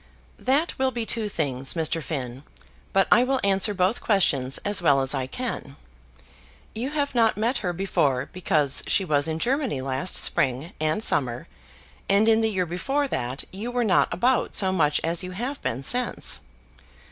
"That will be two things, Mr. Finn; but I will answer both questions as well as I can. You have not met her before, because she was in Germany last spring and summer, and in the year before that you were not about so much as you have been since.